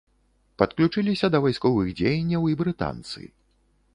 Падключыліся да вайсковых дзеянняў і брытанцы.